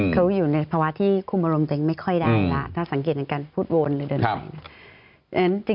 เขาอยู่ในภาวะที่คุมรมเต็มไม่ค่อยได้แล้วถ้าสังเกตการพูดโวนเลยเดินไป